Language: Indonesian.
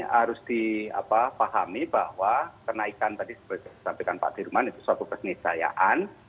harus di apa pahami bahwa kenaikan tadi seperti disampaikan pak dirman itu suatu kesenjayaan